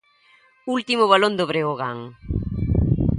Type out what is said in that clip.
Último balón do Breogán.